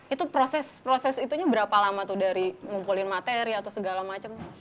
itu proses proses itunya berapa lama tuh dari ngumpulin materi atau segala macem